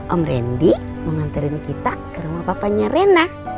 om randy mau nganterin kita ke rumah papanya rena